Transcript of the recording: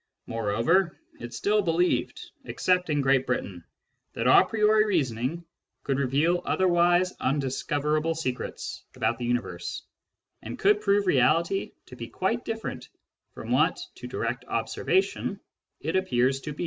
Moreover, it still believed, except in Great Britain, that a priori reasoning could reveal otherwise undiscoverable secrets about the universe, and could prove reality to be quite different from what, to direct observation, it appears to be.